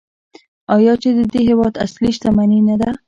آیا چې د دې هیواد اصلي شتمني نه ده؟